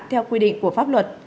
theo quy định của pháp luật